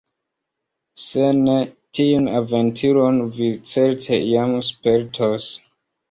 Se ne, tiun aventuron vi certe iam spertos.